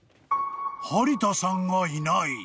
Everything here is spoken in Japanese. ［張田さんがいない］